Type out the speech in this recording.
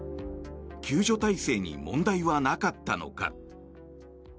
救助体制に問題はなかったのか？